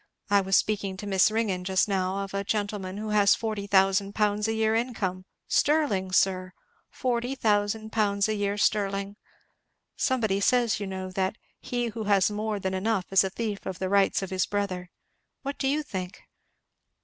I was speaking to Miss Ringgan just now of a gentleman who has forty thousand pounds a year income sterling, sir; forty thousand pounds a year sterling. Somebody says, you know, that 'he who has more than enough is a thief of the rights of his brother,' what do you think?"